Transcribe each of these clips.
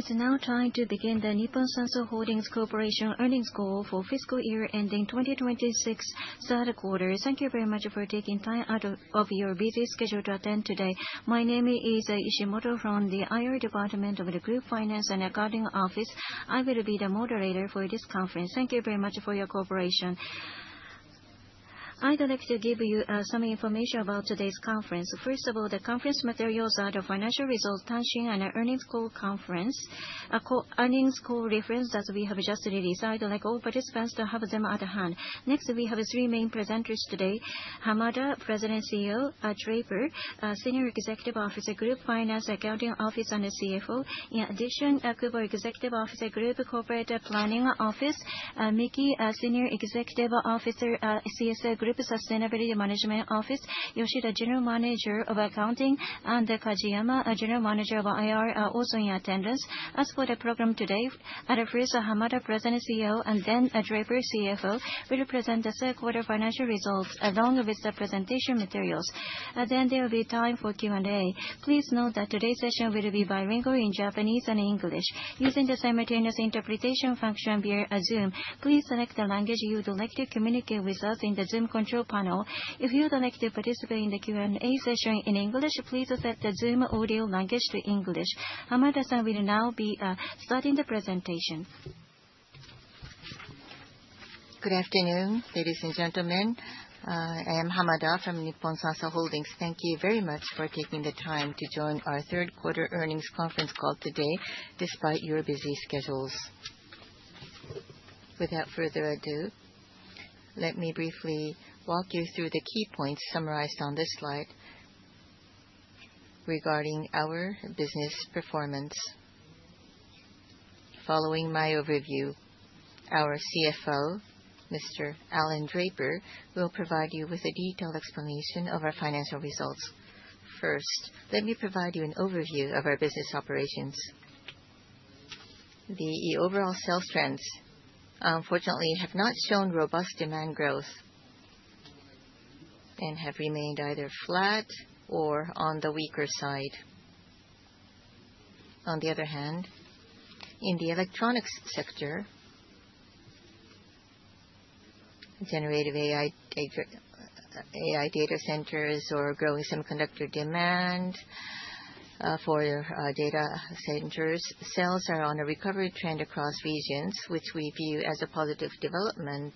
It's now time to begin the Nippon Sanso Holdings Corporation earnings call for fiscal year ending 2026, third quarter. Thank you very much for taking time out of your busy schedule to attend today. My name is Ishimoto from the IR department of the Group Finance and Accounting Office. I will be the moderator for this conference. Thank you very much for your cooperation. I'd like to give you some information about today's conference. First of all, the conference materials are the financial results and earnings call reference that we have just released. I'd like all participants to have them at hand. Next, we have three main presenters today. Hamada, President and CEO, Draper, Senior Executive Officer, Group Finance, Accounting, Office, and CFO. Kubo, Executive Officer, Group Corporate Planning Office, Miki, Senior Executive Officer, CSR Group Sustainability Management Office, Yoshida, General Manager of Accounting, and Kajiyama, General Manager of IR, are also in attendance. As for the program today, at first Hamada, President and CEO, and then Draper, CFO, will present the third quarter financial results along with the presentation materials. Then there will be time for Q&A. Please note that today's session will be bilingual in Japanese and English. Using the simultaneous interpretation function via Zoom, please select the language you would like to communicate with us in the Zoom control panel. If you would like to participate in the Q&A session in English, please set the Zoom audio language to English. Hamada-san will now be starting the presentation. Good afternoon, ladies and gentlemen. I am Hamada from Nippon Sanso Holdings. Thank you very much for taking the time to join our third quarter earnings conference call today despite your busy schedules. Without further ado, let me briefly walk you through the key points summarized on this slide regarding our business performance. Following my overview, our CFO, Mr. Alan Draper, will provide you with a detailed explanation of our financial results. First, let me provide you an overview of our business operations. The overall sales trends, unfortunately, have not shown robust demand growth and have remained either flat or on the weaker side. On the other hand, in the electronics sector, generative AI data centers or growing semiconductor demand for data centers, sales are on a recovery trend across regions, which we view as a positive development.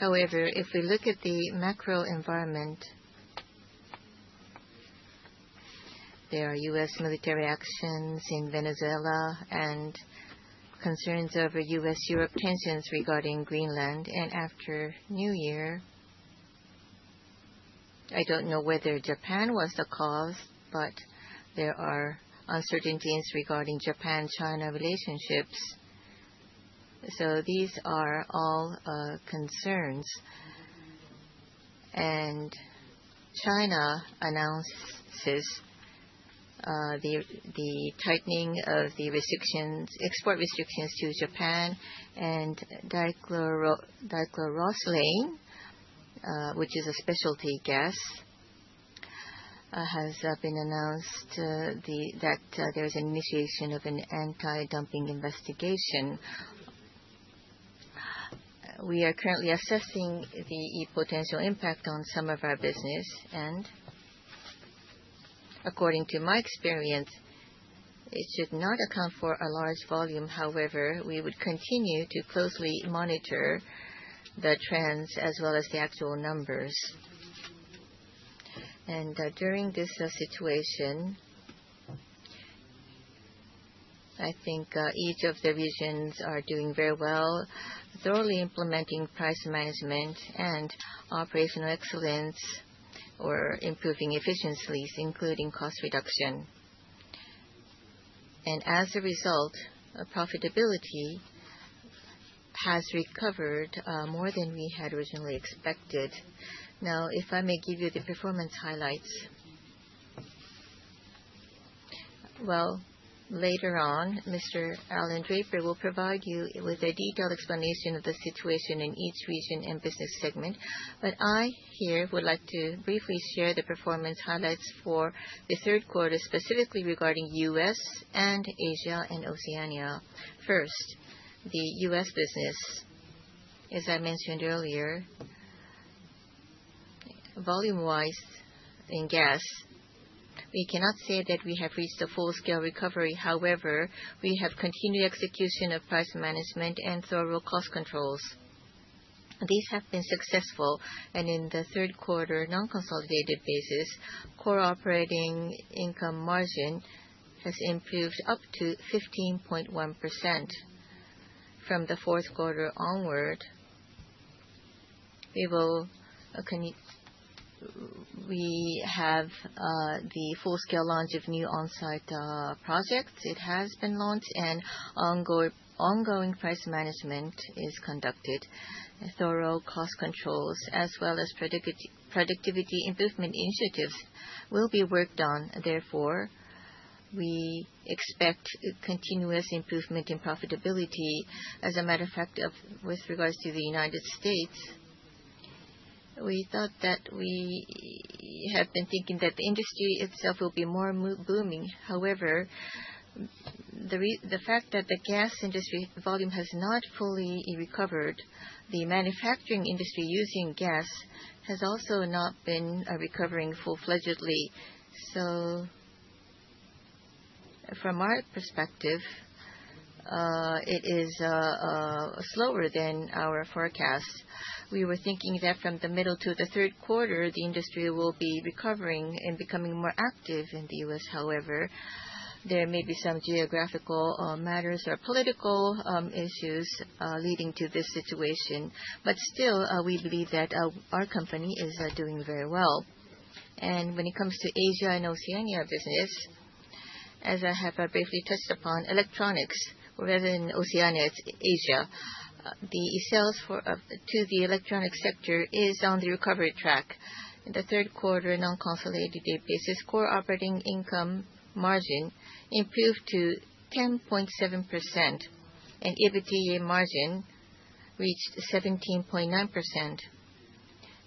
If we look at the macro environment, there are U.S. military actions in Venezuela and concerns over U.S.-Europe tensions regarding Greenland. After New Year, I don't know whether Japan was the cause, but there are uncertainties regarding Japan-China relationships. These are all concerns. China announces the tightening of the export restrictions to Japan and dichlorosilane, which is a specialty gas, has been announced that there's initiation of an anti-dumping investigation. We are currently assessing the potential impact on some of our business, and according to my experience, it should not account for a large volume. We would continue to closely monitor the trends as well as the actual numbers. During this situation, I think each of the regions are doing very well, thoroughly implementing price management and operational excellence or improving efficiencies, including cost reduction. As a result, our profitability has recovered more than we had originally expected. If I may give you the performance highlights. Later on, Mr. Alan Draper will provide you with a detailed explanation of the situation in each region and business segment. I here would like to briefly share the performance highlights for the third quarter, specifically regarding U.S. and Asia and Oceania. First, the U.S. business. As I mentioned earlier, volume-wise in gas, we cannot say that we have reached a full-scale recovery. However, we have continued execution of price management and thorough cost controls. These have been successful, and in the third quarter non-consolidated basis, Core operating income margin has improved up to 15.1%. From the fourth quarter onward, we have the full-scale launch of new on-site projects. It has been launched and ongoing price management is conducted. Thorough cost controls as well as productivity improvement initiatives will be worked on. We expect continuous improvement in profitability. As a matter of fact, with regards to the United States, we had been thinking that the industry itself will be more booming. The fact that the gas industry volume has not fully recovered, the manufacturing industry using gas has also not been recovering full-fledgedly. From our perspective, it is slower than our forecast. We were thinking that from the middle to the third quarter, the industry will be recovering and becoming more active in the U.S. There may be some geographical matters or political issues leading to this situation. Still, we believe that our company is doing very well. When it comes to Asia and Oceania business, as I have briefly touched upon, electronics, rather in Oceania, it's Asia, the sales to the electronic sector is on the recovery track. In the third quarter, non-consolidated basis, Core operating income margin improved to 10.7%, and EBITDA margin reached 17.9%.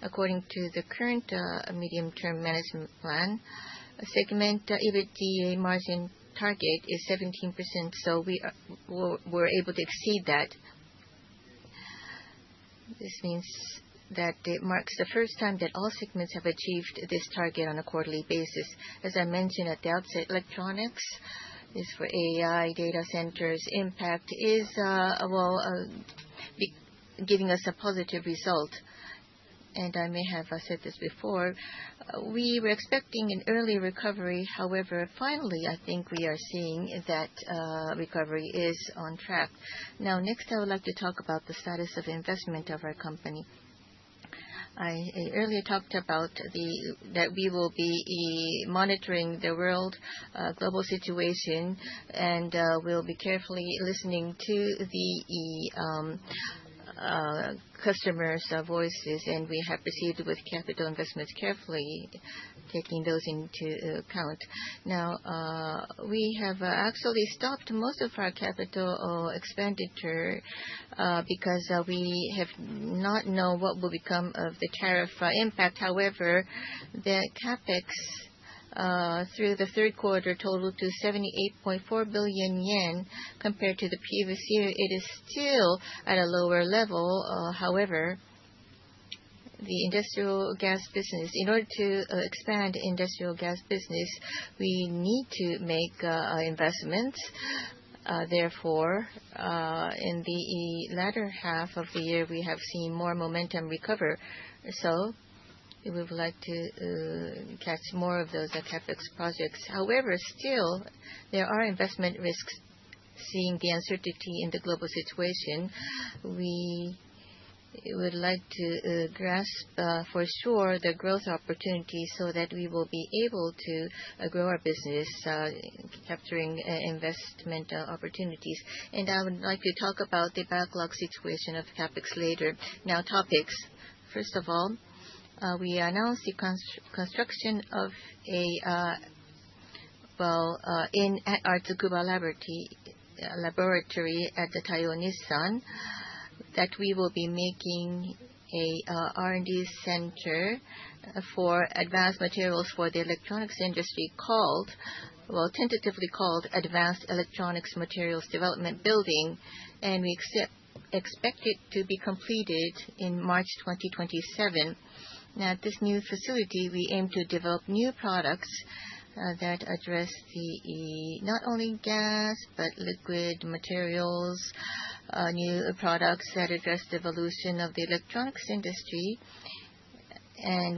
According to the current medium-term management plan, segment EBITDA margin target is 17%, we were able to exceed that. This means that it marks the first time that all segments have achieved this target on a quarterly basis. As I mentioned at the outset, electronics is for AI data centers impact is giving us a positive result. I may have said this before, we were expecting an early recovery. Finally, I think we are seeing that recovery is on track. Next, I would like to talk about the status of investment of our company. I earlier talked about that we will be monitoring the world global situation, and we'll be carefully listening to the customer's voices, and we have proceeded with capital investments carefully, taking those into account. We have actually stopped most of our capital expenditure because we have not known what will become of the tariff impact. The CapEx through the third quarter totaled to 78.4 billion yen. Compared to the previous year, it is still at a lower level. In order to expand industrial gas business, we need to make investments. In the latter half of the year, we have seen more momentum recover. We would like to catch more of those CapEx projects. Still, there are investment risks. Seeing the uncertainty in the global situation, we would like to grasp for sure the growth opportunities so that we will be able to grow our business, capturing investment opportunities. I would like to talk about the backlog situation of CapEx later. Topics. First of all, we announced the construction at our Tsukuba laboratory at the Taiyo Nippon Sanso, that we will be making a R&D center for advanced materials for the electronics industry, tentatively called Advanced Electronics Materials Development Building, and we expect it to be completed in March 2027. This new facility, we aim to develop new products that address the not only gas, but liquid materials, new products that address the evolution of the electronics industry.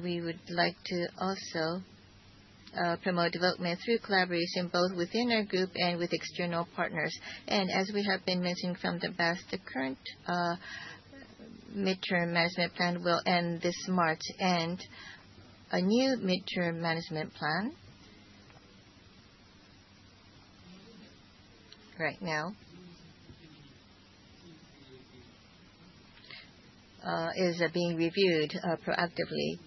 We would like to also promote development through collaboration, both within our group and with external partners. As we have been mentioning from the past, the current midterm management plan will end this March, and a new midterm management plan right now is being reviewed proactively.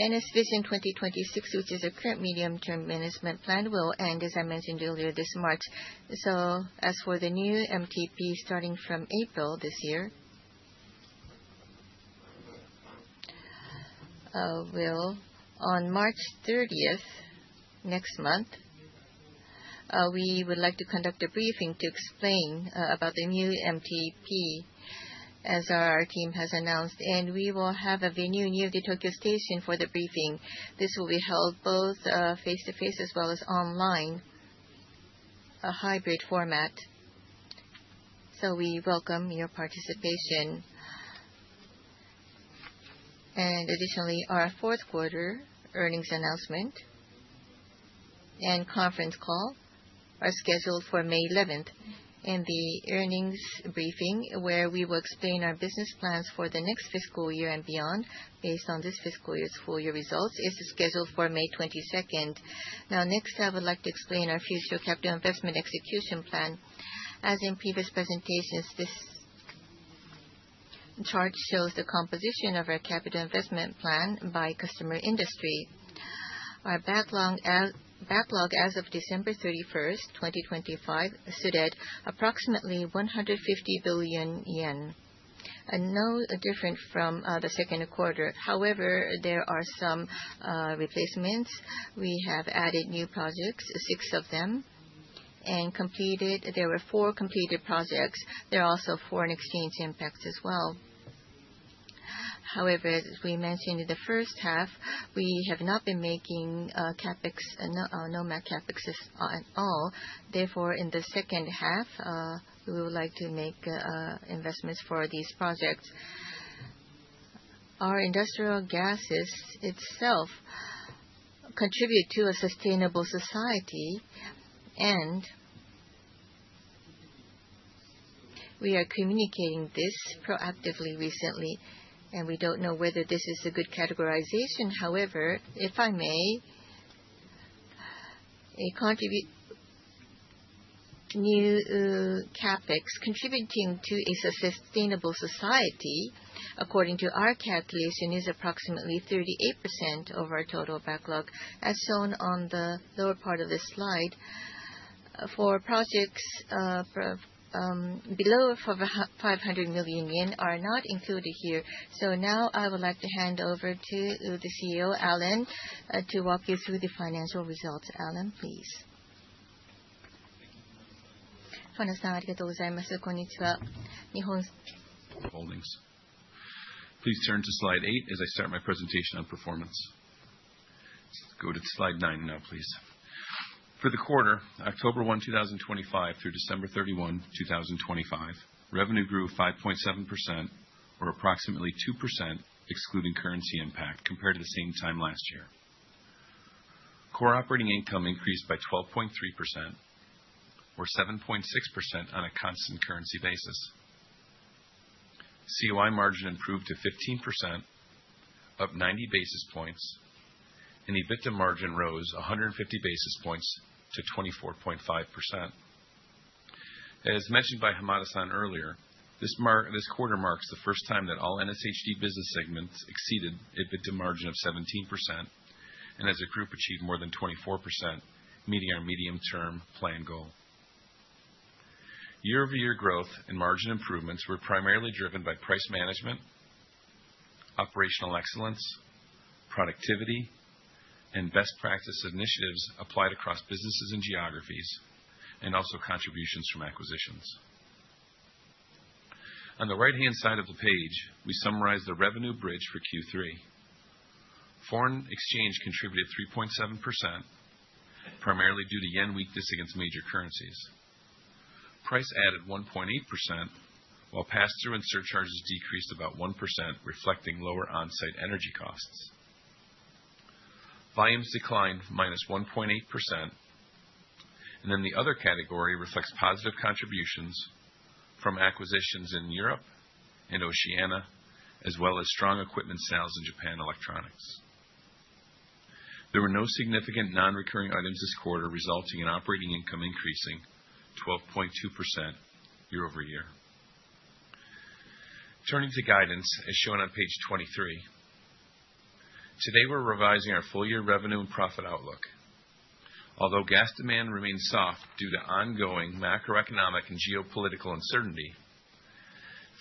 NS Vision 2026, which is a current medium-term management plan, will end, as I mentioned earlier, this March. As for the new MTP starting from April this year, on March 30th, next month, we would like to conduct a briefing to explain about the new MTP, as our team has announced. We will have a venue near the Tokyo Station for the briefing. This will be held both face-to-face as well as online, a hybrid format. We welcome your participation. Additionally, our fourth quarter earnings announcement and conference call are scheduled for May 11th, and the earnings briefing, where we will explain our business plans for the next fiscal year and beyond based on this fiscal year's full-year results, is scheduled for May 22nd. Next, I would like to explain our future capital investment execution plan. As in previous presentations, the chart shows the composition of our capital investment plan by customer industry. Our backlog as of December 31st, 2025, stood at approximately 150 billion yen, and no different from the second quarter. However, there are some replacements. We have added new projects, six of them. There were four completed projects. There are also foreign exchange impacts as well. However, as we mentioned in the first half, we have not been making normal CapEx at all. In the second half, we would like to make investments for these projects. Our industrial gases itself contribute to a sustainable society, and we are communicating this proactively recently, we don't know whether this is a good categorization. However, if I may, a new CapEx contributing to a sustainable society, according to our calculation, is approximately 38% of our total backlog, as shown on the lower part of this slide. Projects below 500 million yen are not included here. Now I would like to hand over to the CEO, Alan, to walk you through the financial results. Alan, please. Holdings. Please turn to slide eight as I start my presentation on performance. Go to slide nine now, please. For the quarter, October 1, 2025, through December 31, 2025, revenue grew 5.7%, or approximately 2% excluding currency impact, compared to the same time last year. Core operating income increased by 12.3%, or 7.6% on a constant currency basis. COI margin improved to 15%, up 90 basis points, and EBITDA margin rose 150 basis points to 24.5%. As mentioned by Hamada-san earlier, this quarter marks the first time that all NSHD business segments exceeded EBITDA margin of 17%, and as a group achieved more than 24%, meeting our medium-term plan goal. Year-over-year growth and margin improvements were primarily driven by price management, operational excellence, productivity, and best practice initiatives applied across businesses and geographies, and also contributions from acquisitions. On the right-hand side of the page, we summarize the revenue bridge for Q3. Foreign exchange contributed 3.7%, primarily due to JPY weakness against major currencies. Price added 1.8%, while pass-through and surcharges decreased about 1%, reflecting lower on-site energy costs. Volumes declined -1.8%, and then the other category reflects positive contributions from acquisitions in Europe and Oceania, as well as strong equipment sales in Japan Electronics. There were no significant non-recurring items this quarter, resulting in operating income increasing 12.2% year-over-year. Turning to guidance, as shown on page 23. Today, we're revising our full-year revenue and profit outlook. Although gas demand remains soft due to ongoing macroeconomic and geopolitical uncertainty,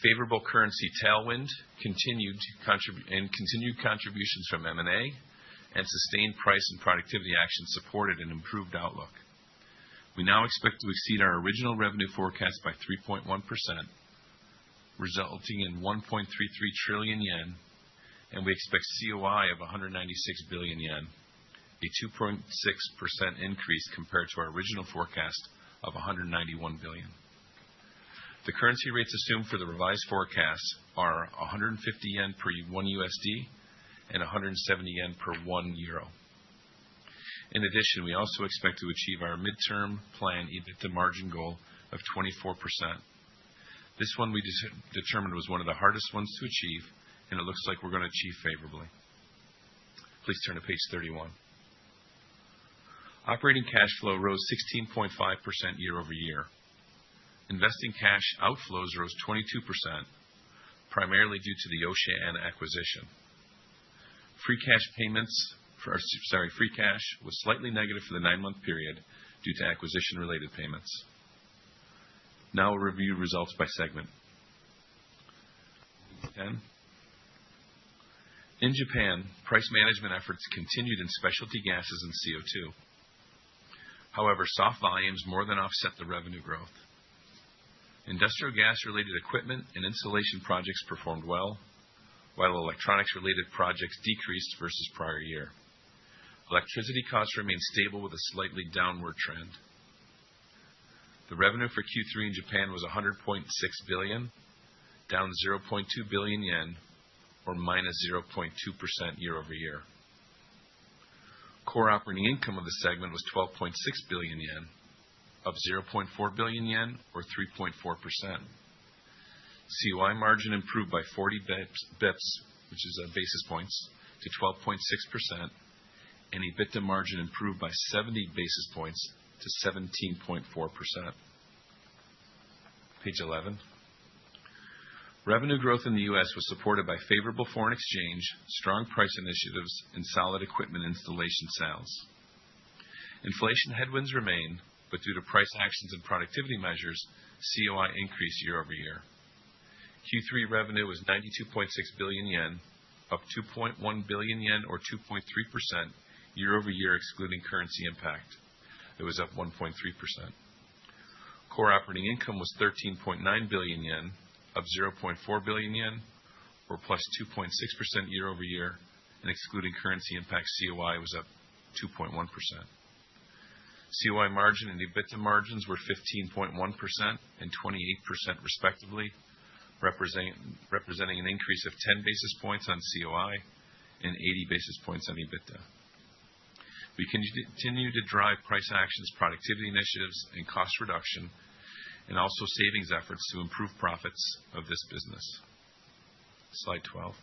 favorable currency tailwind and continued contributions from M&A, and sustained price and productivity actions supported an improved outlook. We now expect to exceed our original revenue forecast by 3.1%, resulting in 1.33 trillion yen, and we expect COI of 196 billion yen, a 2.6% increase compared to our original forecast of 191 billion. The currency rates assumed for the revised forecasts are 150 yen per one USD and 170 yen per one EUR. In addition, we also expect to achieve our midterm plan EBITDA margin goal of 24%. This one we determined was one of the hardest ones to achieve, and it looks like we're going to achieve favorably. Please turn to page 31. Operating cash flow rose 16.5% year-over-year. Investing cash outflows rose 22%, primarily due to the Oceania acquisition. Free cash was slightly negative for the nine-month period due to acquisition-related payments. Now we'll review results by segment. Ten. In Japan, price management efforts continued in specialty gases and CO2. However, soft volumes more than offset the revenue growth. Industrial gas-related equipment and installation projects performed well, while electronics-related projects decreased versus prior year. Electricity costs remained stable with a slightly downward trend. The revenue for Q3 in Japan was 100.6 billion, down 0.2 billion yen, or -0.2% year-over-year. Core operating income of the segment was 12.6 billion yen, up 0.4 billion yen, or 3.4%. COI margin improved by 40 basis points to 12.6%. EBITDA margin improved by 70 basis points to 17.4%. Page 11. Revenue growth in the U.S. was supported by favorable foreign exchange, strong price initiatives, and solid equipment installation sales. Inflation headwinds remain, but due to price actions and productivity measures, COI increased year-over-year. Q3 revenue was 92.6 billion yen, up 2.1 billion yen, or 2.3% year-over-year, excluding currency impact. It was up 1.3%. Core operating income was 13.9 billion yen, up 0.4 billion yen, or +2.6% year-over-year. Excluding currency impact, COI was up +2.1%. COI margin and EBITDA margins were 15.1% and 28% respectively, representing an increase of 10 basis points on COI and 80 basis points on EBITDA. We continue to drive price actions, productivity initiatives, cost reduction, Also savings efforts to improve profits of this business. Slide 12.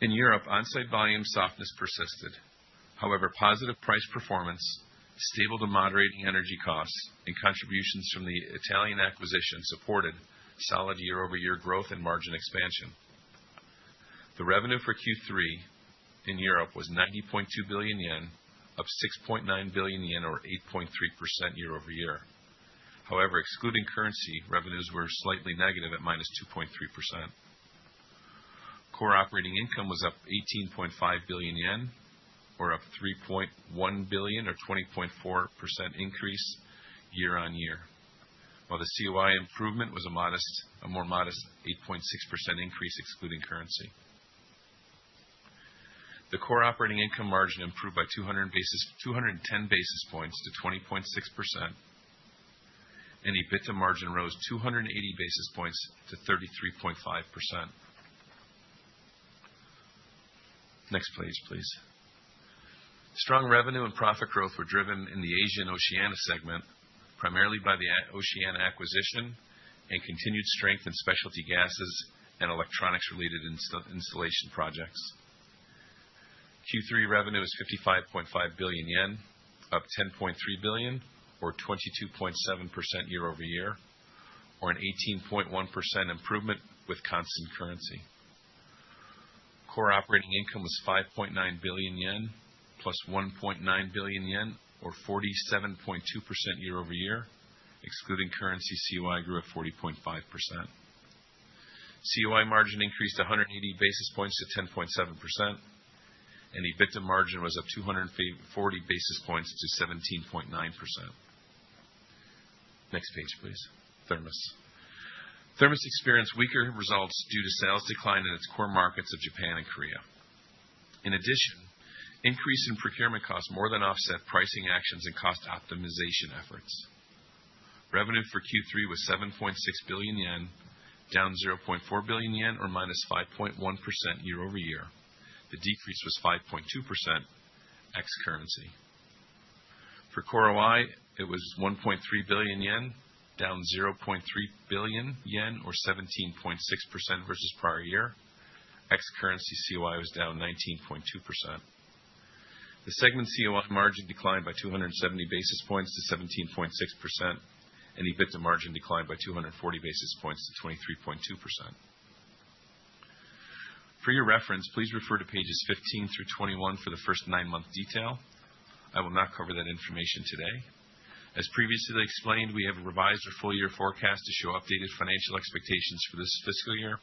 In Europe, on-site volume softness persisted. However, positive price performance, stable to moderate energy costs, and contributions from the Italian acquisition supported solid year-over-year growth and margin expansion. The revenue for Q3 in Europe was 90.2 billion yen, up 6.9 billion yen, or 8.3% year-over-year. However, excluding currency, revenues were slightly negative at -2.3%. Core operating income was up 3.1 billion, or a 20.4% increase year-on-year. While the COI improvement was a more modest 8.6% increase excluding currency. The core operating income margin improved by 210 basis points to 20.6%. EBITDA margin rose 280 basis points to 33.5%. Next slide, please. Strong revenue and profit growth were driven in the Asia and Oceania segment, primarily by the Oceania acquisition and continued strength in specialty gases and electronics-related installation projects. Q3 revenue is 55.5 billion yen, up 10.3 billion, or 22.7% year-over-year, or an 18.1% improvement with constant currency. Core operating income was 5.9 billion yen, +1.9 billion yen, or 47.2% year-over-year. Excluding currency, COI grew at 40.5%. COI margin increased 180 basis points to 10.7%. EBITDA margin was up 240 basis points to 17.9%. Next page, please. Thermos. Thermos experienced weaker results due to sales decline in its core markets of Japan and Korea. In addition, increase in procurement costs more than offset pricing actions and cost optimization efforts. Revenue for Q3 was 7.6 billion yen, down 0.4 billion yen, or -5.1% year-over-year. The decrease was 5.2% ex currency. For COI, it was 1.3 billion yen, down 0.3 billion yen, or 17.6% versus prior year. Ex currency, COI was down 19.2%. The segment COI margin declined by 270 basis points to 17.6%. EBITDA margin declined by 240 basis points to 23.2%. For your reference, please refer to pages 15-21 for the first nine-month detail. I will not cover that information today. As previously explained, we have revised our full year forecast to show updated financial expectations for this fiscal year.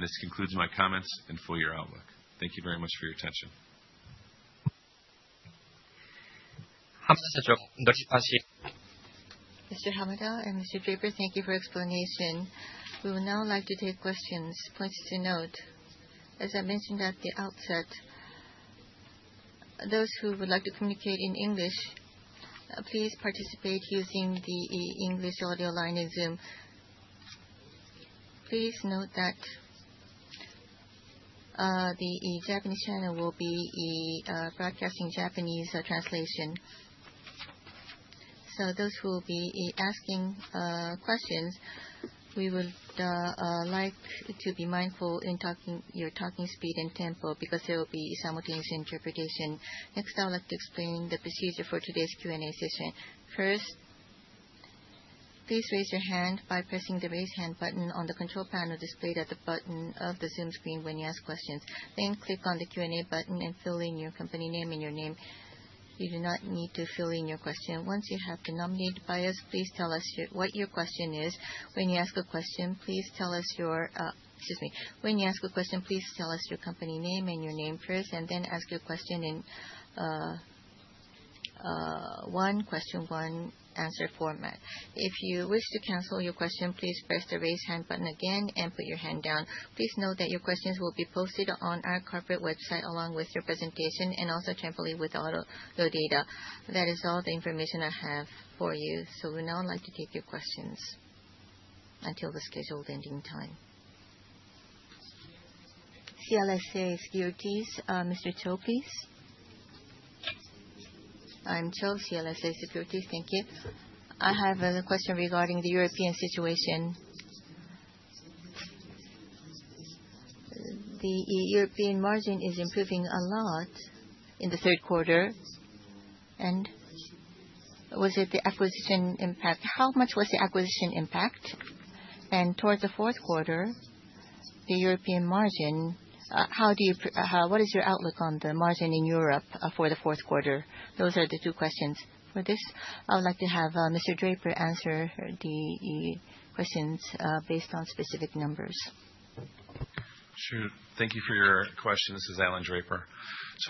This concludes my comments and full year outlook. Thank you very much for your attention. Mr. Hamada and Mr. Draper, thank you for your explanation. We would now like to take questions. Points to note. As I mentioned at the outset, those who would like to communicate in English, please participate using the English audio line in Zoom. Please note that the Japanese channel will be broadcasting Japanese translation. Those who will be asking questions, we would like you to be mindful in your talking speed and tempo because there will be simultaneous interpretation. Next, I would like to explain the procedure for today's Q&A session. First, please raise your hand by pressing the raise hand button on the control panel displayed at the bottom of the Zoom screen when you ask questions. Click on the Q&A button and fill in your company name and your name. You do not need to fill in your question. Once you have been nominated by us, please tell us what your question is. When you ask a question, please tell us your company name and your name first, and then ask your question in one question, one answer format. If you wish to cancel your question, please press the raise hand button again and put your hand down. Please note that your questions will be posted on our corporate website along with your presentation and also temporarily with all your data. That is all the information I have for you. We'd now like to take your questions until the scheduled ending time. CLSA Securities, Mr. Tophies. I'm Cho, CLSA Securities. Thank you. I have a question regarding the European situation. The European margin is improving a lot in the third quarter. Was it the acquisition impact? How much was the acquisition impact? Towards the fourth quarter, the European margin, what is your outlook on the margin in Europe for the fourth quarter? Those are the two questions. For this, I would like to have Mr. Draper answer the questions based on specific numbers. Sure. Thank you for your question. This is Alan Draper.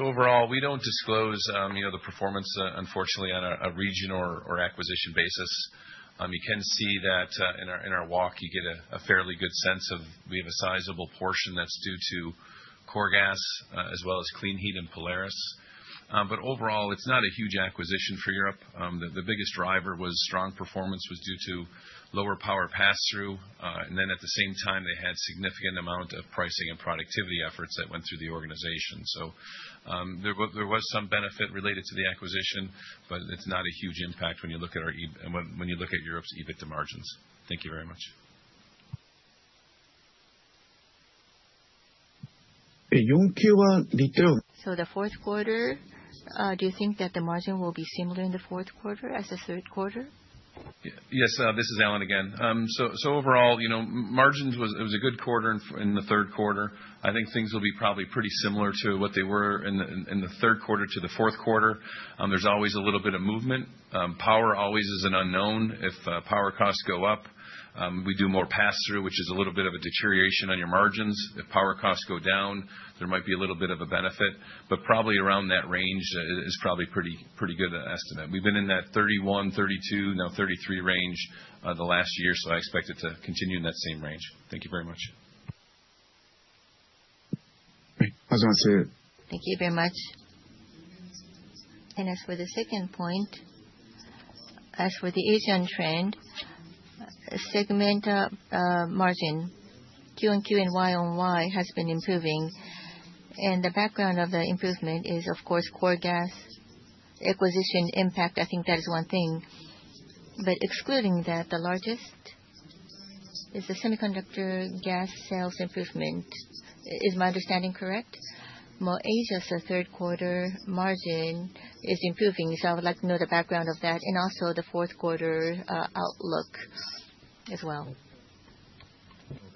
Overall, we don't disclose the performance, unfortunately, on a region or acquisition basis. You can see that in our walk, you get a fairly good sense of, we have a sizable portion that's due to Coregas as well as Kleenheat and Polaris. Overall, it's not a huge acquisition for Europe. The biggest driver was strong performance was due to lower power pass-through. At the same time, they had significant amount of pricing and productivity efforts that went through the organization. There was some benefit related to the acquisition, but it's not a huge impact when you look at Europe's EBITDA margins. Thank you very much. The fourth quarter, do you think that the margin will be similar in the fourth quarter as the third quarter? Yes. This is Alan again. Overall, margins, it was a good quarter in the third quarter. I think things will be probably pretty similar to what they were in the third quarter to the fourth quarter. There's always a little bit of movement. Power always is an unknown. If power costs go up, we do more pass-through, which is a little bit of a deterioration on your margins. If power costs go down, there might be a little bit of a benefit, but probably around that range is probably a pretty good estimate. We've been in that 31%, 32%, now 33% range the last year, so I expect it to continue in that same range. Thank you very much. Thank you very much. As for the second point, as for the Asian trend, segment margin Q on Q and Y on Y has been improving. The background of the improvement is, of course, Coregas acquisition impact. I think that is one thing. Excluding that, the largest is the semiconductor gas sales improvement. Is my understanding correct? Asia's third quarter margin is improving. I would like to know the background of that and also the fourth quarter outlook as well.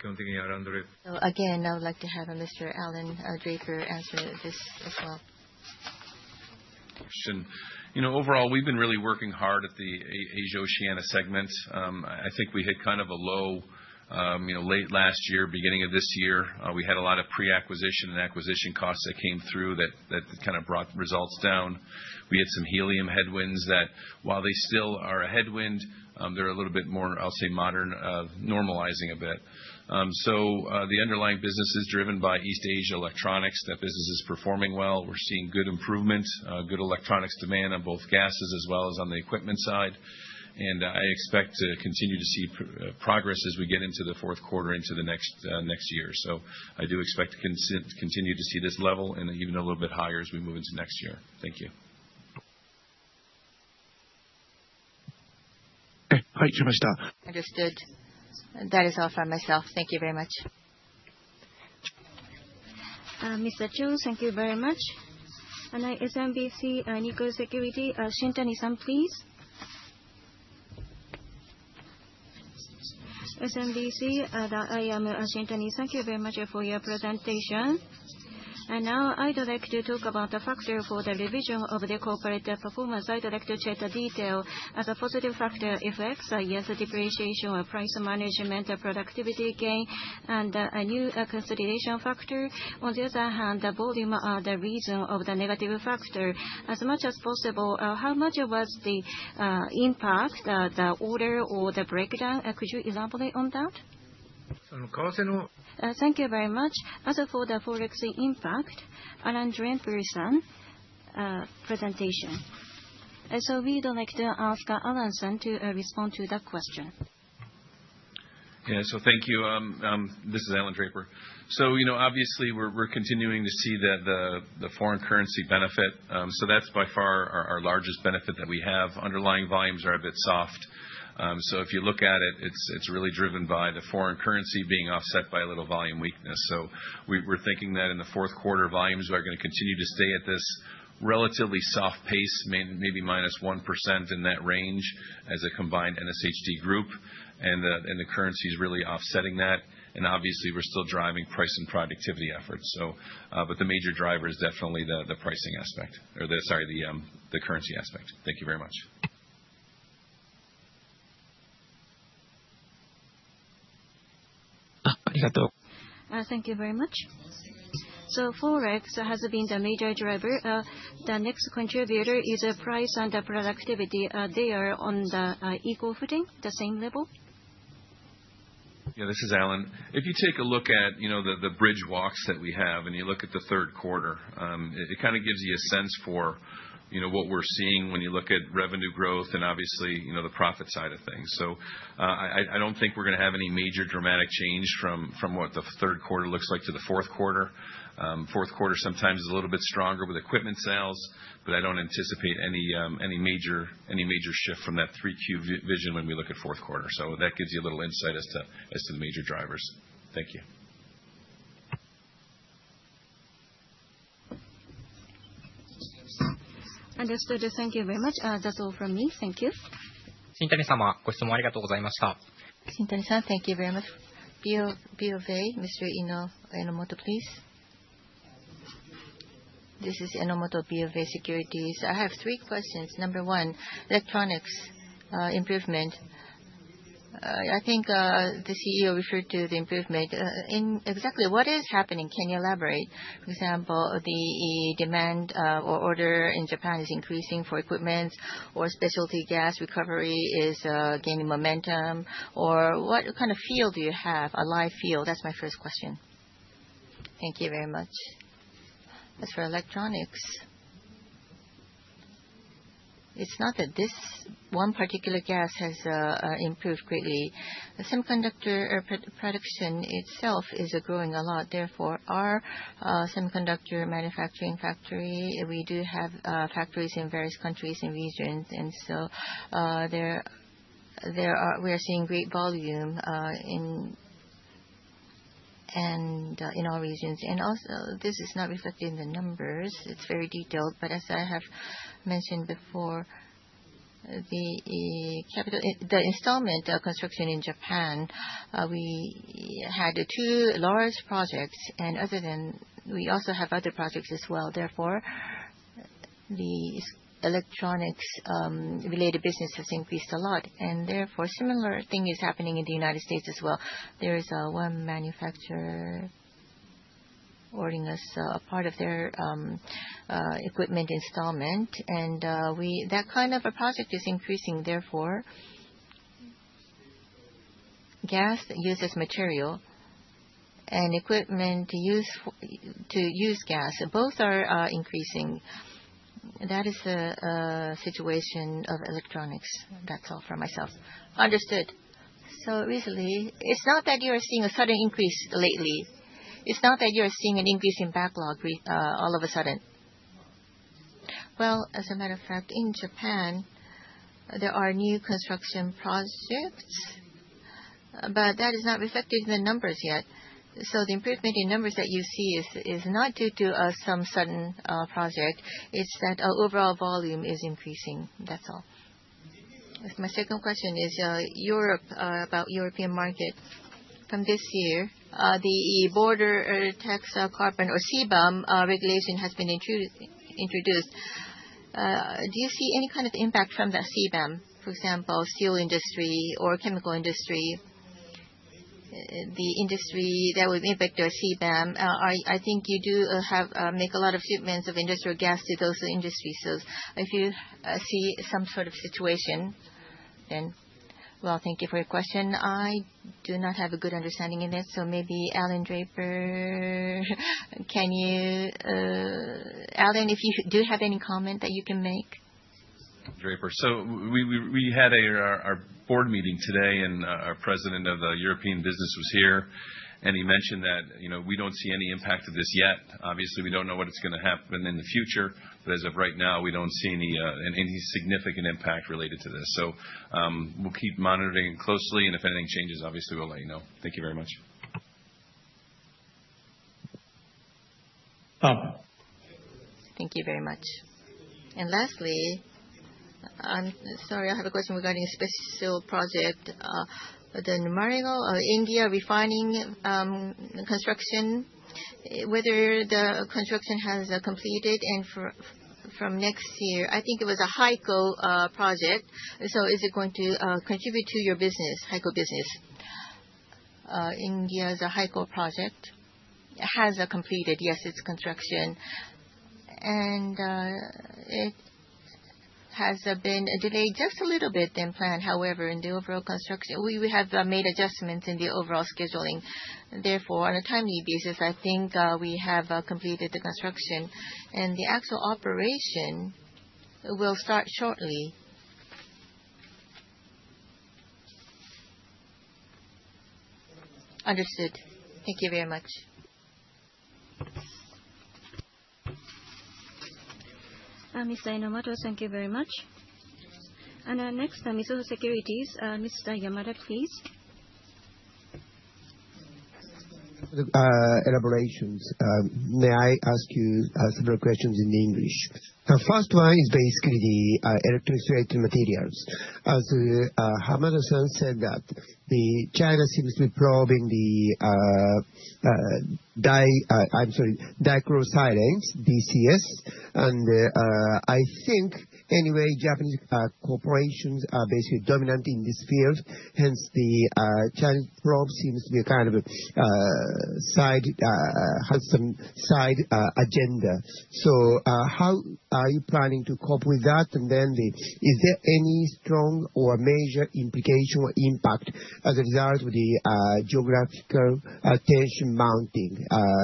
Again, I would like to have Mr. Alan Draper answer this as well. Sure. Overall, we've been really working hard at the Asia Oceania segment. I think we hit a low late last year, beginning of this year. We had a lot of pre-acquisition and acquisition costs that came through that brought results down. We had some helium headwinds that while they still are a headwind, they're a little bit more, I'll say, modern, normalizing a bit. The underlying business is driven by East Asia electronics. That business is performing well. We're seeing good improvement, good electronics demand on both gases as well as on the equipment side. I expect to continue to see progress as we get into the fourth quarter into next year. I do expect to continue to see this level and even a little bit higher as we move into next year. Thank you. Understood. That is all for myself. Thank you very much. Mr. Chu, thank you very much. SMBC Nikko Securities, Shintani San, please. SMBC. I am Shintani. Thank you very much for your presentation. I would like to talk about the factor for the revision of the corporate performance. I'd like to check the detail as a positive factor effects, yes, depreciation or price management or productivity gain, and a new consideration factor. On the other hand, the volume, the reason of the negative factor. As much as possible, how much was the impact, the order, or the breakdown? Could you elaborate on that? Thank you very much. As for the forex impact, Alan Draper San presentation. We'd like to ask Alan San to respond to that question. Thank you. This is Alan Draper. Obviously, we're continuing to see the foreign currency benefit. That's by far our largest benefit that we have. Underlying volumes are a bit soft. If you look at it's really driven by the foreign currency being offset by a little volume weakness. We're thinking that in the fourth quarter, volumes are going to continue to stay at this relatively soft pace, maybe -1% in that range as a combined NSHD group. The currency's really offsetting that. Obviously, we're still driving price and productivity efforts. The major driver is definitely the pricing aspect, or sorry, the currency aspect. Thank you very much. Thank you very much. Forex has been the major driver. The next contributor is price and productivity. They are on the equal footing, the same level? Yeah, this is Alan. If you take a look at the bridge walks that we have, and you look at the third quarter, it gives you a sense for what we're seeing when you look at revenue growth and obviously the profit side of things. I don't think we're going to have any major dramatic change from what the third quarter looks like to the fourth quarter. Fourth quarter sometimes is a little bit stronger with equipment sales, but I don't anticipate any major shift from that 3Q vision when we look at fourth quarter. That gives you a little insight as to the major drivers. Thank you. Understood. Thank you very much. That's all from me. Thank you. Shintani-sama, Shintani-san, thank you very much. BofA, Mr. Ino Enomoto, please. This is Enomoto, BofA Securities. I have three questions. Number 1, electronics improvement. I think the CEO referred to the improvement. Exactly, what is happening? Can you elaborate? For example, the demand or order in Japan is increasing for equipment or specialty gas recovery is gaining momentum, or what kind of field do you have, a live field? That's my first question. Thank you very much. As for electronics, it's not that this one particular gas has improved greatly. Semiconductor production itself is growing a lot, therefore our semiconductor manufacturing factory, we do have factories in various countries and regions, and so we are seeing great volume in all regions. Also, this is not reflected in the numbers. It's very detailed. As I have mentioned before, the installment of construction in Japan, we had the two largest projects, and we also have other projects as well. The electronics-related business has increased a lot. Therefore, a similar thing is happening in the U.S. as well. There is one manufacturer ordering us a part of their equipment installment, that kind of a project is increasing. Gas used as material and equipment to use gas, both are increasing. That is the situation of electronics. That's all from myself. Understood. Recently, it's not that you're seeing a sudden increase lately. It's not that you're seeing an increase in backlog all of a sudden. Well, as a matter of fact, in Japan, there are new construction projects, that is not reflected in the numbers yet. The improvement in numbers that you see is not due to some sudden project, it's that our overall volume is increasing. That's all. My second question is Europe, about European market. From this year, the Border Tax Adjustment carbon or CBAM, regulation has been introduced. Do you see any impact from that CBAM? For example, steel industry or chemical industry, the industry that would impact a CBAM. I think you do make a lot of shipments of industrial gas to those industries. If you see some sort of situation, then. Well, thank you for your question. I do not have a good understanding in it, maybe Alan Draper. Alan, if you do have any comment that you can make. Draper. We had our board meeting today, our president of the European business was here, he mentioned that we don't see any impact of this yet. Obviously, we don't know what is going to happen in the future, as of right now, we don't see any significant impact related to this. We'll keep monitoring closely, if anything changes, obviously, we'll let you know. Thank you very much. Tom. Thank you very much. Lastly, I'm sorry, I have a question regarding a special project. The Jamnagar India refining construction, whether the construction has completed from next year, I think it was a HYCO project. Is it going to contribute to your business, HYCO business? India, the HYCO project, has completed, yes, its construction. It has been delayed just a little bit than planned. However, we have made adjustments in the overall scheduling. On a timely basis, I think we have completed the construction, the actual operation will start shortly. Understood. Thank you very much. Mr. Enomoto, thank you very much. Our next, Mizuho Securities, Mr. Yamada, please. Elaborations. May I ask you several questions in English? The first one is basically the electronic specialty materials. As Hamada-san said that China seems to be probing the dichlorosilane, DCS, I think anyway, Japanese corporations are basically dominant in this field, hence the Chinese probe seems to have some side agenda. How are you planning to cope with that? Is there any strong or major implication or impact as a result of the geographical tension mounting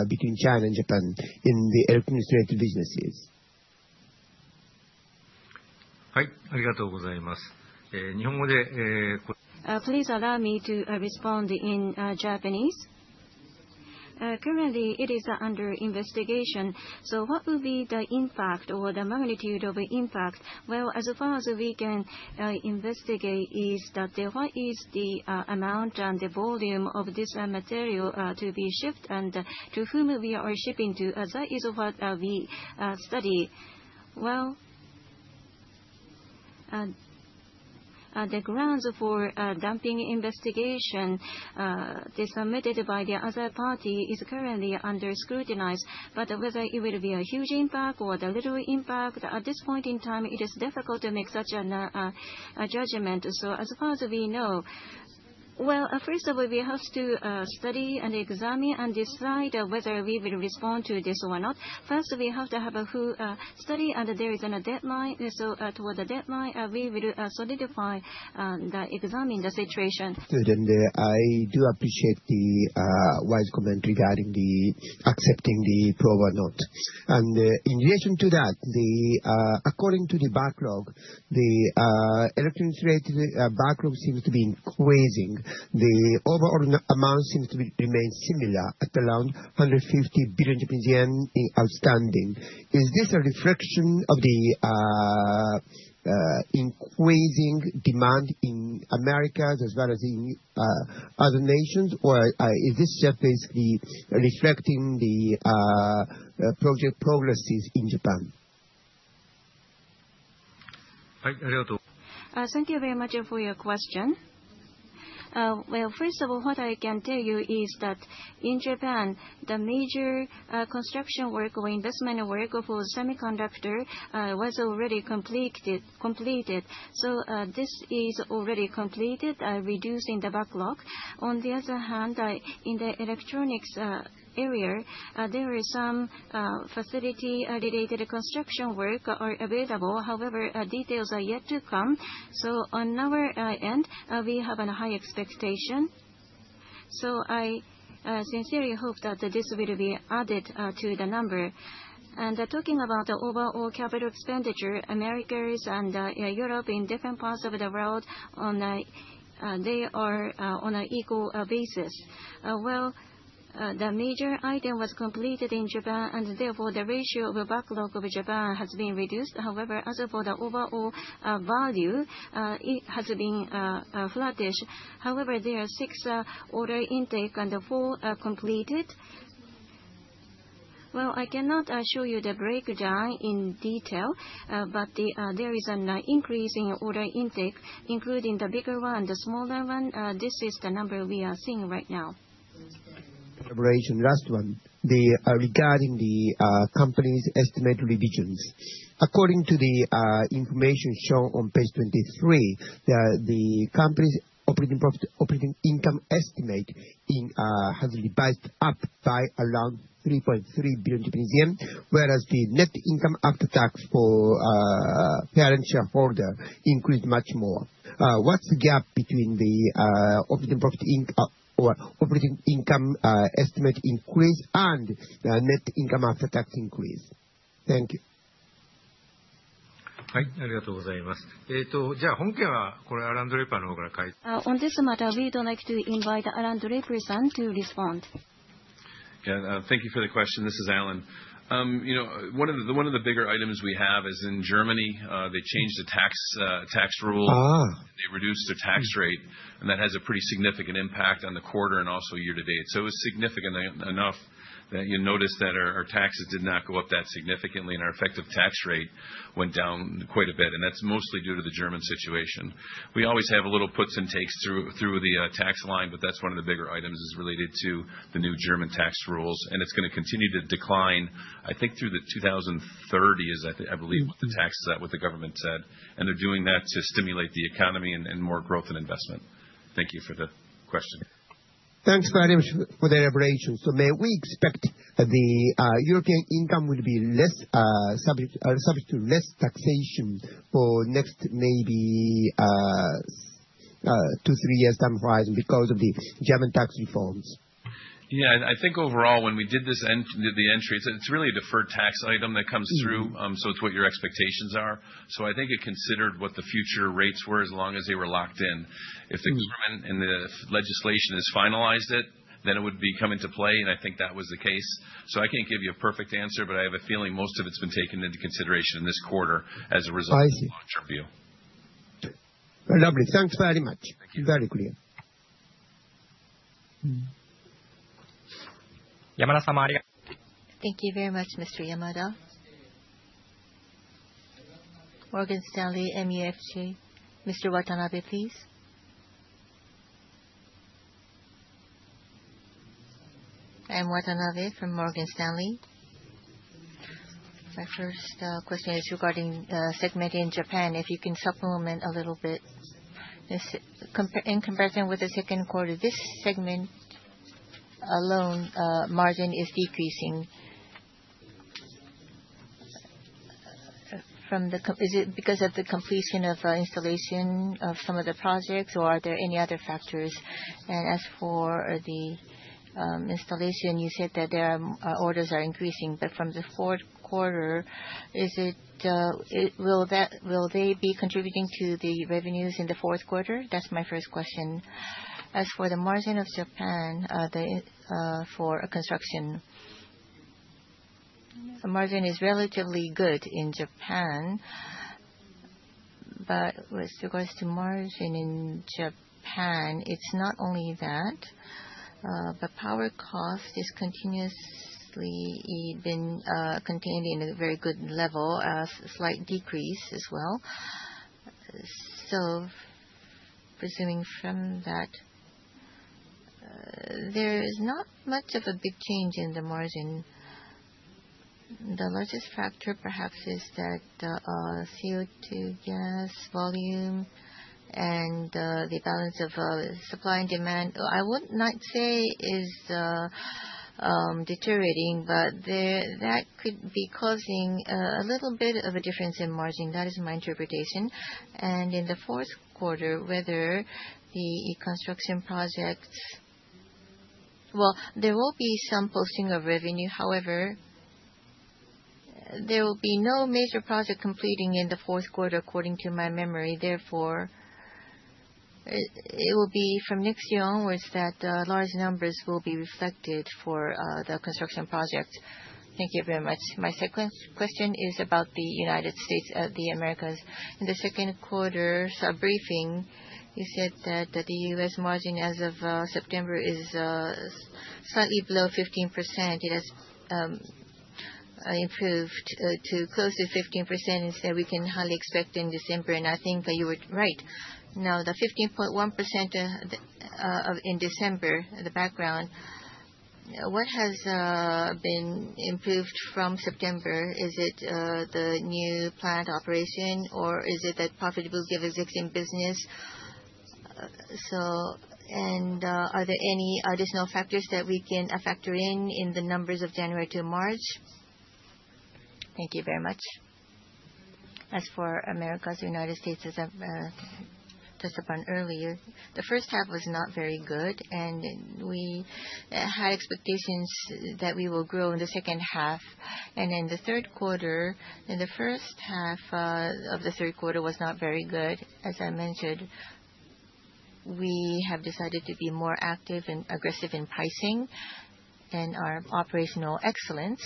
between China and Japan in the administrative businesses? Please allow me to respond in Japanese. Currently, it is under investigation. What will be the impact or the magnitude of impact? As far as we can investigate is that what is the amount and the volume of this material to be shipped and to whom we are shipping to? That is what we study. The grounds for dumping investigation submitted by the other party is currently under scrutiny. Whether it will be a huge impact or a little impact, at this point in time, it is difficult to make such a judgment. As far as we know, first we have to study and examine and decide whether we will respond to this or not. First, we have to have a full study, and there is a deadline. Toward the deadline, we will solidify that examine the situation. I do appreciate the wise comment regarding accepting the pro bono. In relation to that, according to the backlog, the electronics rate backlog seems to be increasing. The overall amount seems to remain similar at around 150 billion Japanese yen outstanding. Is this a reflection of the increasing demand in Americas as well as in other nations, or is this just basically reflecting the project progresses in Japan? Thank you very much for your question. First of all, what I can tell you is that in Japan, the major construction work or investment work for semiconductor was already completed. This is already completed, reducing the backlog. On the other hand, in the electronics area, there are some facility-related construction work available. However, details are yet to come. On our end, we have a high expectation. I sincerely hope that this will be added to the number. Talking about the overall capital expenditure, Americas and Europe in different parts of the world, they are on an equal basis. The major item was completed in Japan, and therefore, the ratio of the backlog of Japan has been reduced. However, as for the overall value, it has been flattish. However, there are six order intake and four completed. I cannot show you the breakdown in detail, there is an increase in order intake, including the bigger one and the smaller one. This is the number we are seeing right now. Last one. Regarding the company's estimated revisions. According to the information shown on page 23, the company's operating income estimate has revised up by around 3.3 billion Japanese yen, whereas the net income after tax for parent shareholder increased much more. What's the gap between the operating income estimate increase and the net income after tax increase? Thank you. Thank you. On this matter, we'd like to invite Alan Draper to respond. Thank you for the question. This is Alan. One of the bigger items we have is in Germany, they changed the tax rule. They reduced their tax rate, that has a pretty significant impact on the quarter and also year to date. It was significant enough that you noticed that our taxes did not go up that significantly, our effective tax rate went down quite a bit, that's mostly due to the German situation. We always have little puts and takes through the tax line, but that's one of the bigger items, is related to the new German tax rules, it's going to continue to decline, I think, through the 2030, I believe the tax is at, what the government said. They're doing that to stimulate the economy and more growth and investment. Thank you for the question. Thanks very much for the elaboration. May we expect the European income will be subject to less taxation for next maybe two, three years time frame because of the German tax reforms? I think overall, when we did the entry, it's really a deferred tax item that comes through, it's what your expectations are. I think it considered what the future rates were as long as they were locked in. If the German and the legislation has finalized it would be coming to play, I think that was the case. I can't give you a perfect answer, but I have a feeling most of it's been taken into consideration this quarter as a result of view. Lovely. Thanks very much. Very clear. Thank you very much, Mr. Yamada. Morgan Stanley MUFG. Mr. Watanabe, please. I am Watanabe from Morgan Stanley. My first question is regarding the segment in Japan. If you can supplement a little bit. In comparison with the second quarter, this segment alone, margin is decreasing. Is it because of the completion of installation of some of the projects, or are there any other factors? As for the installation, you said that orders are increasing. From the fourth quarter, will they be contributing to the revenues in the fourth quarter? That's my first question. As for the margin of Japan for construction, margin is relatively good in Japan. With regards to margin in Japan, it's not only that the power cost has continuously been contained in a very good level, a slight decrease as well. Presuming from that, there is not much of a big change in the margin. The largest factor perhaps is that the CO2 gas volume and the balance of supply and demand, I would not say is deteriorating, but that could be causing a little bit of a difference in margin. That is my interpretation. In the fourth quarter, whether the construction projects, well, there will be some posting of revenue. There will be no major project completing in the fourth quarter according to my memory. It will be from next year onwards that large numbers will be reflected for the construction project. Thank you very much. My second question is about the U.S., the Americas. In the second quarter briefing, you said that the U.S. margin as of September is slightly below 15%. It has improved to close to 15%, said we can highly expect in December, I think that you were right. The 15.1% in December, the background, what has been improved from September? Is it the new plant operation or is it that profitable existing business? Are there any additional factors that we can factor in the numbers of January to March? Thank you very much. As for Americas, U.S., as I touched upon earlier, the first half was not very good, we had expectations that we will grow in the second half. In the third quarter, in the first half of the third quarter was not very good. As I mentioned, we have decided to be more active and aggressive in pricing and our operational excellence,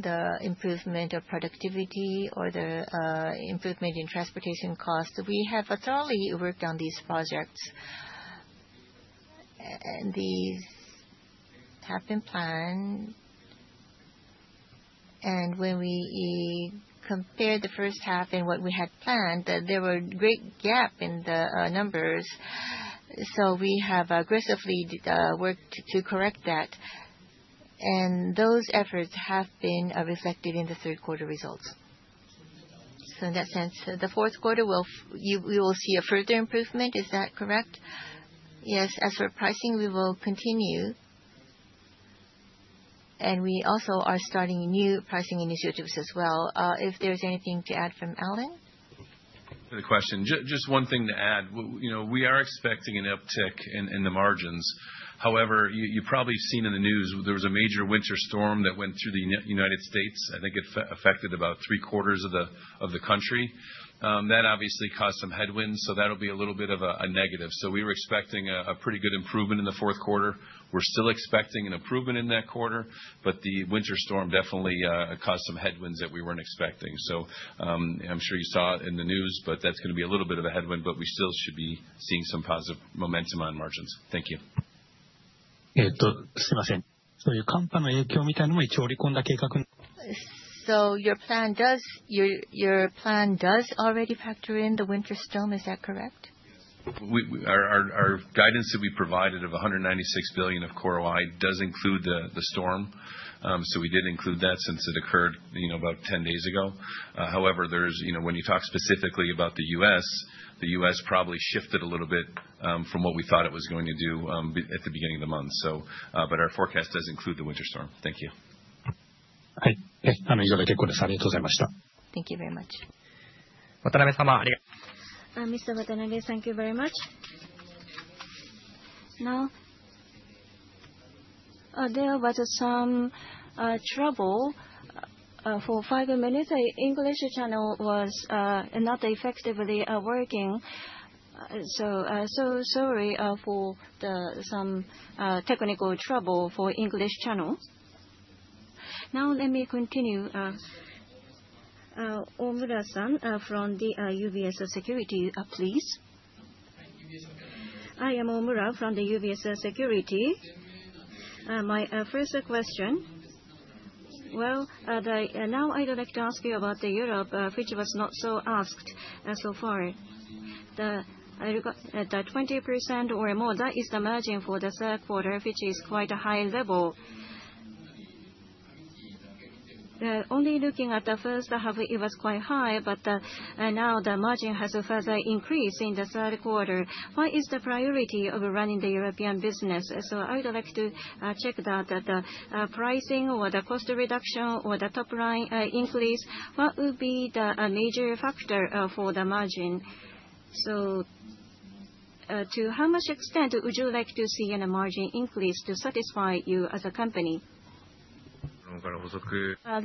the improvement of productivity or the improvement in transportation costs. We have thoroughly worked on these projects. These have been planned, when we compare the first half and what we had planned, there were great gap in the numbers. We have aggressively worked to correct that, those efforts have been reflected in the third quarter results. In that sense, the fourth quarter, we will see a further improvement. Is that correct? Yes. As for pricing, we will continue, we also are starting new pricing initiatives as well. If there's anything to add from Alan? Good question. Just one thing to add. We are expecting an uptick in the margins. You've probably seen in the news, there was a major winter storm that went through the U.S. I think it affected about three-quarters of the country. That obviously caused some headwinds, that'll be a little bit of a negative. We were expecting a pretty good improvement in the fourth quarter. We're still expecting an improvement in that quarter, the winter storm definitely caused some headwinds that we weren't expecting. I'm sure you saw it in the news, that's going to be a little bit of a headwind, we still should be seeing some positive momentum on margins. Thank you. Your plan does already factor in the winter storm. Is that correct? Our guidance that we provided of 196 billion of core OI does include the storm. We did include that since it occurred about 10 days ago. When you talk specifically about the U.S., the U.S. probably shifted a little bit from what we thought it was going to do at the beginning of the month. Our forecast does include the winter storm. Thank you. Thank you very much. Mr. Watanabe, thank you very much. There was some trouble for five minutes. The English channel was not effectively working. Sorry for some technical trouble for English channel. Let me continue. Omura-san from the UBS Securities, please. I am Omura from the UBS Securities. My first question. Now I'd like to ask you about Europe, which was not so asked so far. The 20% or more, that is the margin for the third quarter, which is quite a high level. Only looking at the first half, it was quite high, but now the margin has further increased in the third quarter. What is the priority of running the European business? I would like to check that. The pricing or the cost reduction or the top-line increase, what would be the major factor for the margin? To how much extent would you like to see a margin increase to satisfy you as a company?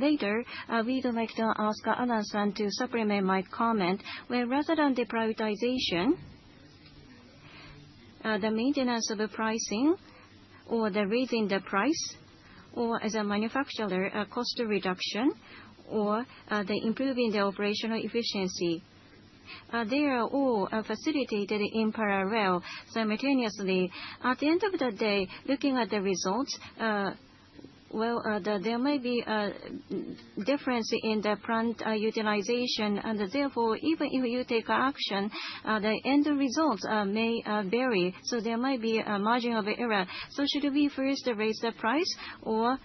Later, we'd like to ask Alan-san to supplement my comment. Rather than deprivatization, the maintenance of the pricing or the raising the price or as a manufacturer, cost reduction or the improving the operational efficiency. They are all facilitated in parallel, simultaneously. At the end of the day, looking at the results, there may be a difference in the plant utilization. Therefore, even if you take action, the end results may vary. There might be a margin of error. Should we first raise the price, or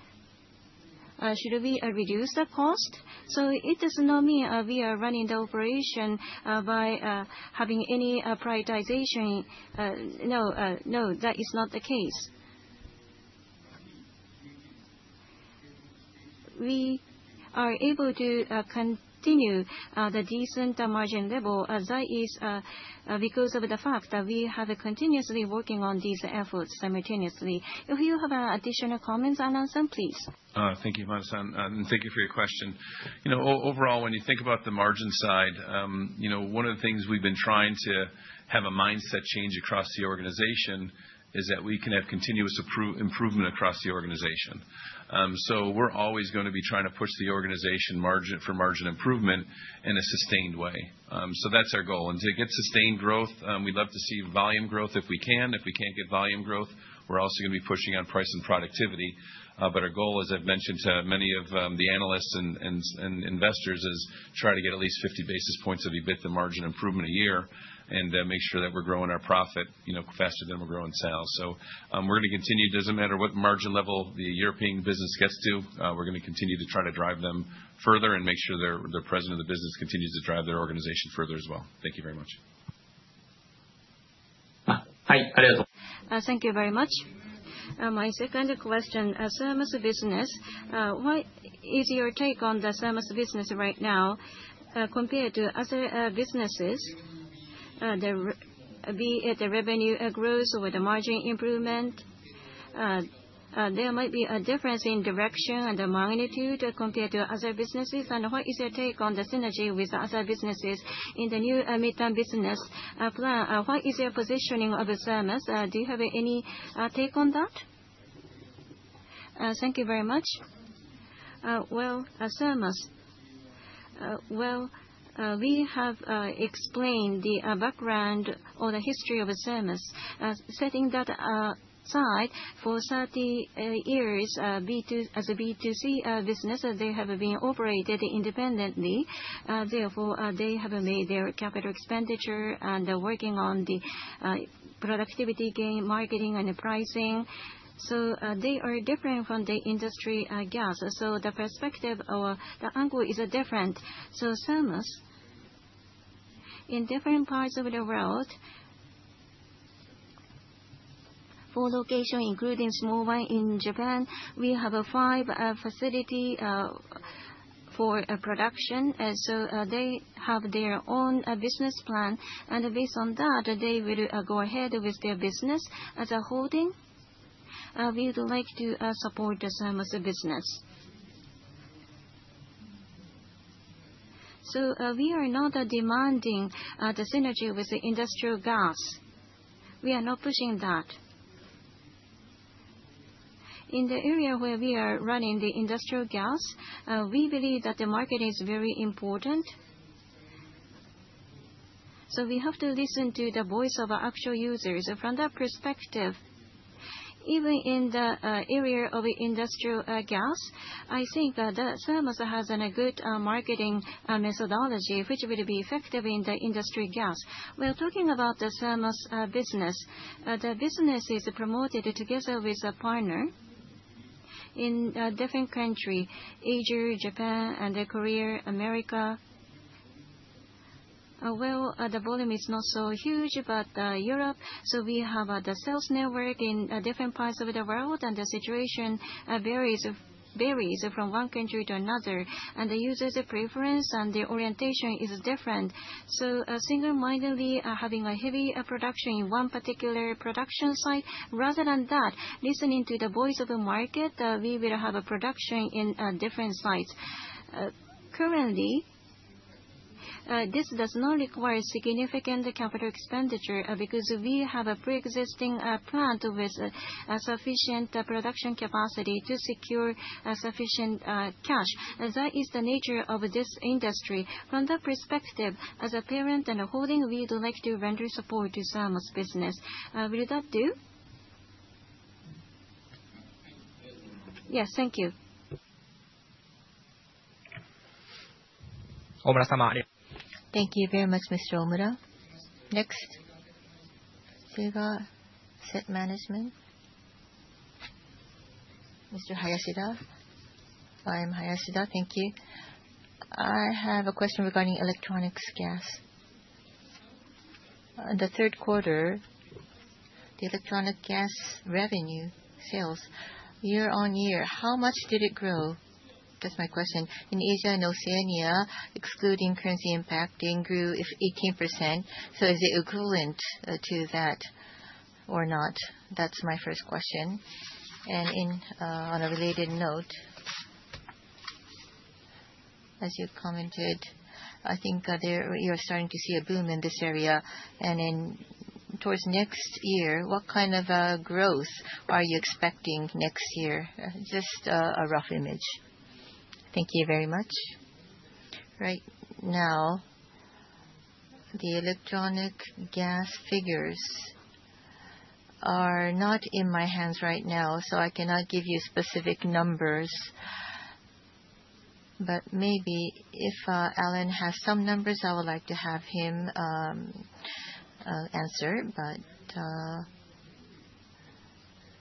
should we reduce the cost? It does not mean we are running the operation by having any prioritization. No, that is not the case. We are able to continue the decent margin level. That is because of the fact that we have continuously working on these efforts simultaneously. If you have additional comments, Alan-san, please. Thank you, Masa-san. Thank you for your question. Overall, when you think about the margin side, one of the things we've been trying to have a mindset change across the organization is that we can have continuous improvement across the organization. We're always going to be trying to push the organization for margin improvement in a sustained way. That's our goal. To get sustained growth, we'd love to see volume growth if we can. If we can't get volume growth, we're also going to be pushing on price and productivity. Our goal, as I've mentioned to many of the analysts and investors, is try to get at least 50 basis points of EBITDA margin improvement a year and make sure that we're growing our profit faster than we're growing sales. We're going to continue. It doesn't matter what margin level the European business gets to, we're going to continue to try to drive them further and make sure the president of the business continues to drive their organization further as well. Thank you very much. Thank you very much. My second question, Thermos business. What is your take on the Thermos business right now? Compared to other businesses, be it the revenue growth or the margin improvement, there might be a difference in direction and the magnitude compared to other businesses. What is your take on the synergy with the other businesses in the new midterm business plan? What is your positioning of the Thermos? Do you have any take on that? Thank you very much. We have explained the background or the history of Thermos. Setting that aside, for 30 years, as a B2C business, they have been operated independently. They have made their capital expenditure and are working on the productivity gain, marketing, and pricing. They are different from the industrial gas. The perspective or the angle is different. Thermos, in different parts of the world, for location, including Snowine in Japan, we have five facilities for production. They have their own business plan. And based on that, they will go ahead with their business. As a holding, we would like to support the Thermos business. We are not demanding the synergy with the industrial gas. We are not pushing that. In the area where we are running the industrial gas, we believe that the market is very important. We have to listen to the voice of actual users. From that perspective, even in the area of industrial gas, I think that Thermos has a good marketing methodology, which will be effective in the industrial gas. When talking about the Thermos business, the business is promoted together with a partner in different countries, Asia, Japan, and Korea, America. Well, the volume is not so huge, but Europe. We have the sales network in different parts of the world, and the situation varies from one country to another, and the user's preference and the orientation is different. Single-mindedly having a heavy production in one particular production site, rather than that, listening to the voice of the market, we will have a production in different sites. Currently, this does not require significant capital expenditure because we have a pre-existing plant with sufficient production capacity to secure sufficient cash. That is the nature of this industry. From that perspective, as a parent and a holding, we would like to render support to Thermos business. Will that do? Yes. Thank you. Thank you very much, Mr. Omura. Next, Saga Asset Management. Mr. Hayashida. I am Hayashida. Thank you. I have a question regarding electronic gas. In the third quarter, the electronic gas revenue sales year-on-year, how much did it grow? That's my question. In Asia and Oceania, excluding currency impact, it grew 18%. Is it equivalent to that or not? That's my first question. And on a related note, as you've commented, I think you're starting to see a boom in this area. And towards next year, what kind of growth are you expecting next year? Just a rough image. Thank you very much. Right now, the electronic gas figures are not in my hands right now, so I cannot give you specific numbers. But maybe if Alan has some numbers, I would like to have him answer. But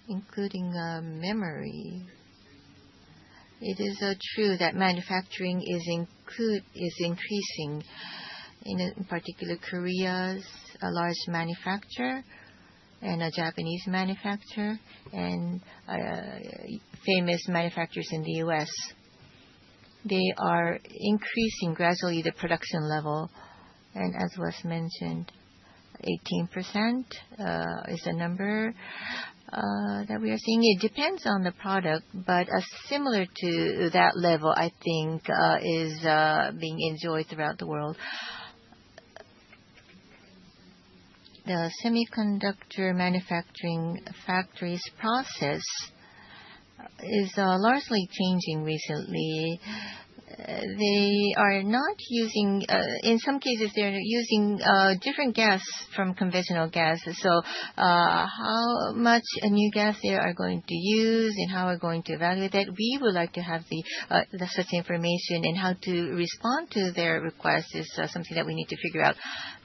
including memory, it is true that manufacturing is increasing. In particular, Korea is a large manufacturer, and a Japanese manufacturer, and famous manufacturers in the U.S. They are increasing gradually the production level, and as was mentioned, 18% is the number that we are seeing. It depends on the product, but similar to that level, I think, is being enjoyed throughout the world. The semiconductor manufacturing factory's process is largely changing recently. In some cases, they're using different gas from conventional gas. How much new gas they are going to use and how we're going to evaluate that, we would like to have such information, and how to respond to their request is something that we need to figure out.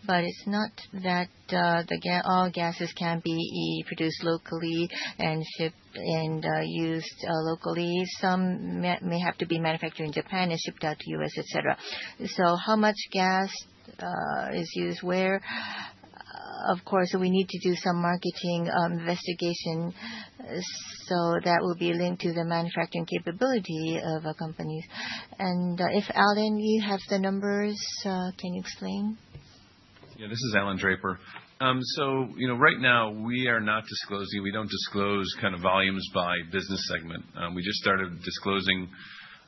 But it's not that all gases can be produced locally and used locally. Some may have to be manufactured in Japan and shipped out to the U.S., et cetera. How much gas is used where? Of course, we need to do some marketing investigation. That will be linked to the manufacturing capability of companies. If, Alan, you have the numbers, can you explain? This is Alan Draper. Right now, we are not disclosing. We don't disclose volumes by business segment. We just started disclosing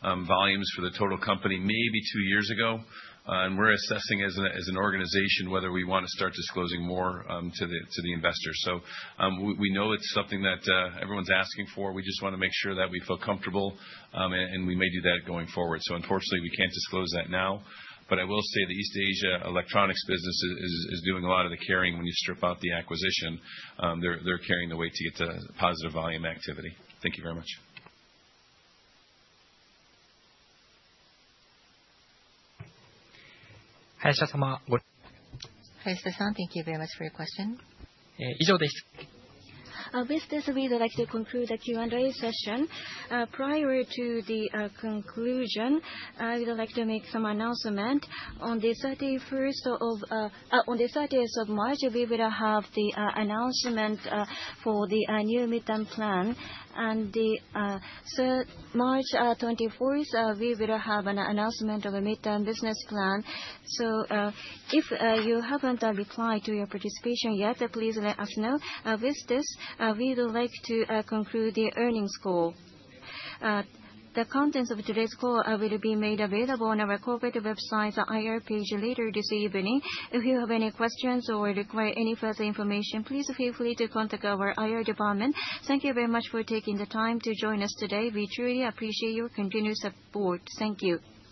volumes for the total company maybe two years ago. We're assessing as an organization whether we want to start disclosing more to the investors. We know it's something that everyone's asking for. We just want to make sure that we feel comfortable, and we may do that going forward. Unfortunately, we can't disclose that now. I will say the East Asia electronics business is doing a lot of the carrying when you strip out the acquisition. They're carrying the weight to get to positive volume activity. Thank you very much. Thank you very much for your question. With this, we would like to conclude the Q&A session. Prior to the conclusion, I would like to make some announcement. On the 30th of March, we will have the announcement for the new midterm plan. March 24th, we will have an announcement of a midterm business plan. If you haven't replied to your participation yet, please let us know. With this, we would like to conclude the earnings call. The contents of today's call will be made available on our corporate website, the IR page, later this evening. If you have any questions or require any further information, please feel free to contact our IR department. Thank you very much for taking the time to join us today. We truly appreciate your continuous support. Thank you.